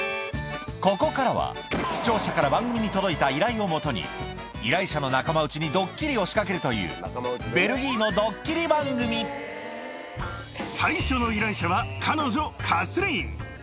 ここからは視聴者から番組に届いた依頼をもとに依頼者の仲間内にドッキリを仕掛けるという最初の依頼者は彼女カスリーン。